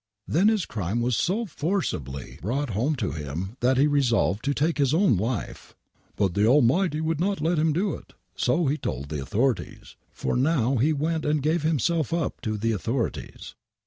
Then his crime was so forcibly brought home to him that be resolved to take bis own life. " But tbe Almighty would not let him do it," so he told the authorities, for now be went and gave bipaself up to the authorities.